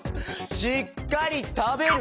「しっかりたべる」